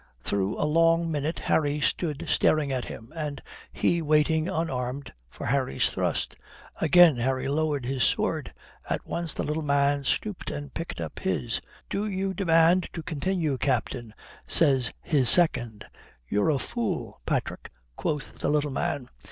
Through a long minute Harry stood staring at him, and he waiting unarmed for Harry's thrust. Again Harry lowered his sword. At once the little man stooped and picked up his. "Do you demand to continue, Captain?" says his second. "You're a fool, Patrick," quoth the little man.